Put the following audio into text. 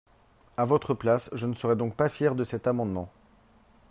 À votre place, je ne serai donc pas fier de cet amendement.